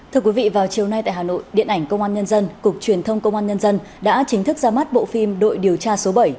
thưa quý vị vào chiều nay tại hà nội điện ảnh công an nhân dân cục truyền thông công an nhân dân đã chính thức ra mắt bộ phim đội điều tra số bảy